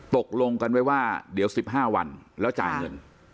ตกลงกันไว้ว่าเดี๋ยว๑๕วันแล้วจ่ายเงิน